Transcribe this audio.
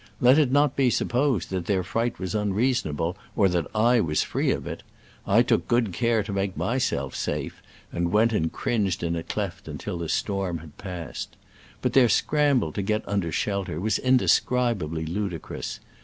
Let it not be sup posed that their fright was unreasonable or that I was free from it. I took good care to make myself safe, and went and cringed in a cleft until the storm had passed. But their scramble to get un der shelter was indescribably ludicrous.